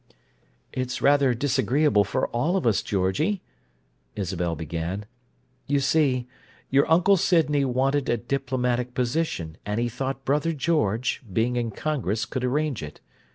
"It's rather disagreeable for all of us, Georgie," Isabel began. "You see, your Uncle Sydney wanted a diplomatic position, and he thought brother George, being in Congress, could arrange it.